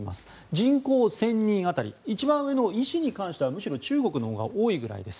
人口１０００人当たり一番上の医師に関してはむしろ中国のほうが多いぐらいです。